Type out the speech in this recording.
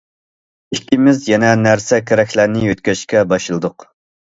ئىككىمىز يەنە نەرسە كېرەكلەرنى يۆتكەشكە باشلىدۇق.